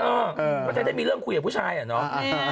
เออไม่ใช่ใช่ไม่มีเรื่องคุยกับผู้ชายฮะเนาะ